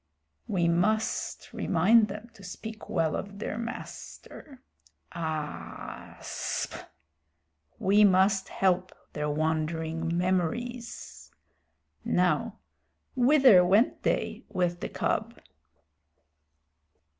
"We must remind them to speak well of their master. Aaa ssp! We must help their wandering memories. Now, whither went they with the cub?"